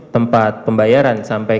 tempat pembayaran sampai